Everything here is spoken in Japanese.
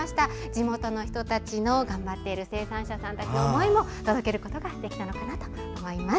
地元の人たちの、頑張っている生産者さんたちの思いも届けることができたかなと思います。